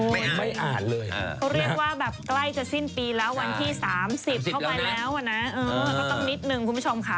เขาเรียกว่าแบบใกล้จะสิ้นปีแล้ววันที่สามสิบเข้าไปแล้วนะเออก็ต้องนิดหนึ่งคุณผู้ชมค่ะ